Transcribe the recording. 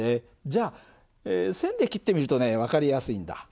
じゃ線で切ってみるとね分かりやすいんだ。